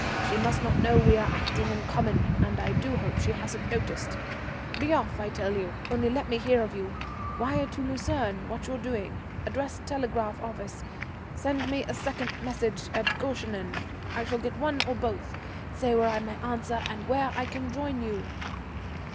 She must not know we are acting in common, and I do hope she hasn't noticed. Be off, I tell you, only let me hear of you; wire to Lucerne what you're doing. Address telegraph office. Send me a second message at Goeschenen. I shall get one or both. Say where I may answer and where I can join you."